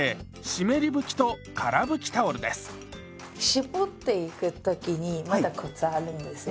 絞っていく時にまたコツあるんですよ。